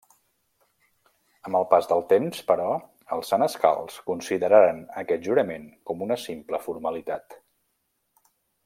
Amb els pas del temps però, els senescals consideraren aquest jurament com una simple formalitat.